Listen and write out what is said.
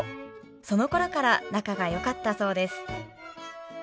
そのころから仲がよかったそうです。